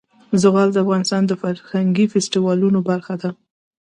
زغال د افغانستان د فرهنګي فستیوالونو برخه ده.